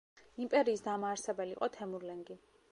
იმპერიის დამაარსებელი იყო თემურლენგი.